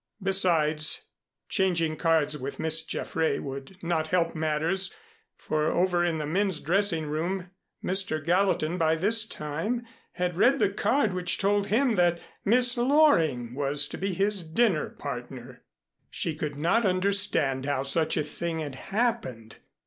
Besides, changing cards with Miss Jaffray would not help matters, for over in the men's dressing room Mr. Gallatin by this time had read the card which told him that Miss Loring was to be his dinner partner. She could not understand how such a thing had happened.